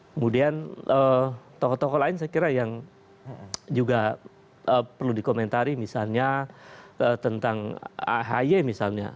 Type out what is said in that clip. kemudian tokoh tokoh lain saya kira yang juga perlu dikomentari misalnya tentang ahy misalnya